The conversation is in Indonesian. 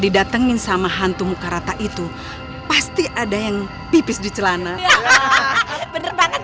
didatengin sama hantu muka rata itu pasti ada yang pipis di celana hahaha bener banget siapa maksudnya saya